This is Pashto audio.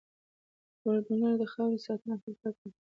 کروندګر د خاورې ساتنه خپله فرض ګڼي